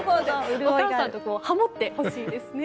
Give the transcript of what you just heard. お母さんとハモってほしいですね。